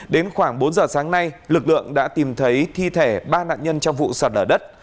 đến khoảng bốn giờ sáng nay lực lượng đã tìm thấy thi thể ba nạn nhân trong vụ sạt lở đất